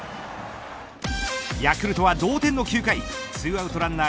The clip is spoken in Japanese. ヤクルトは同点の９回２アウトランナー